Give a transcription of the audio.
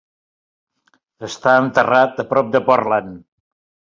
Està enterrat a prop de Portland.